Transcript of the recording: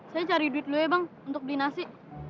saya cari duit dulu ya bang untuk beli nasi